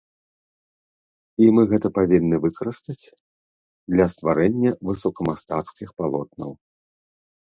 І мы гэта павінны выкарыстаць для стварэння высокамастацкіх палотнаў.